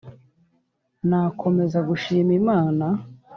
nakomeza gushima imana